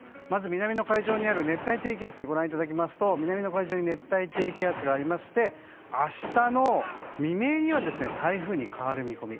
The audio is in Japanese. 南の海上にある熱帯低気圧をご覧いただくと南の海上に熱帯低気圧があって明日の未明には台風に変わる見込み。